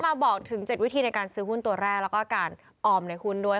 มาบอกถึง๗วิธีในการซื้อหุ้นตัวแรกแล้วก็การออมในหุ้นด้วย